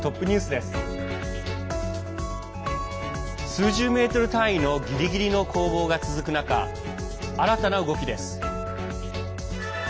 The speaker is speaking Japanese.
数十メートル単位のギリギリの攻防が続く中新たな動きです。